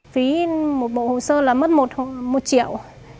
phí một bộ hồ sơ là mất một triệu